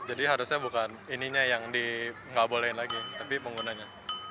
jadi harusnya bukan ininya yang nggak bolehin lagi tapi penggunanya